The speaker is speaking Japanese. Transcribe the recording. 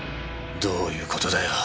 どういう事だよ！？